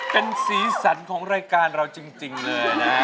เป็นสีสันของรายการเราจริงเลยนะ